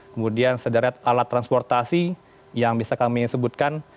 kemudian sederet alat transportasi yang bisa kami sebutkan